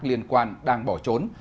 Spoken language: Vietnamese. liên quan đang bỏ trốn